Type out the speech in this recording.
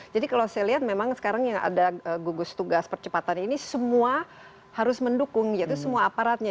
jadi kalau saya lihat memang sekarang yang ada gugus tugas percepatan ini semua harus mendukung yaitu semua aparatnya